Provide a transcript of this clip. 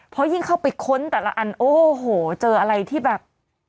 เพราะยิ่งเข้าไปค้นแต่ละอันโอ้โหเจออะไรที่แบบ